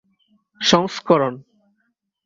সংস্করণ